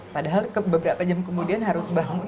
padahal beberapa jam kemudian harus bangun